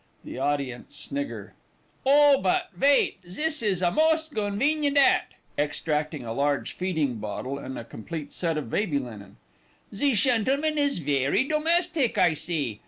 [The Audience snigger.] Oh, bot vait zis is a most gonvenient 'at [extracting a large feeding bottle and a complete set of baby linen] ze shentelman is vairy domestic I see.